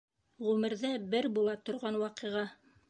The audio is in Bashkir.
Ғүмерҙә бер була торған ваҡиға!